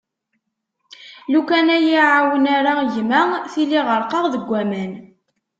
Lukan ur y-iεawen ara gma tili ɣerqeɣ deg aman.